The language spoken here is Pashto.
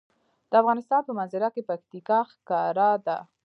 د افغانستان په منظره کې پکتیکا ښکاره ده.